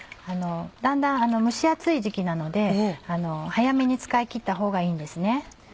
だんだん蒸し暑い時期なので早めに使い切ったほうがいいんですね。